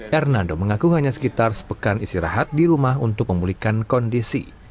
hernando mengaku hanya sekitar sepekan istirahat di rumah untuk memulihkan kondisi